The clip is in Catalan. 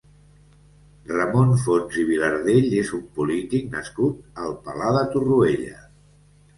Ramon Fons i Vilardell és un polític nascut al Palà de Torroella.